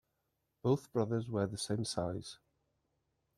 Both brothers wear the same size.